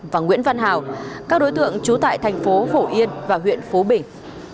và nguyễn văn hào các đối tượng trú tại thành phố phổ yên và huyện phú bình